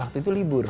waktu itu libur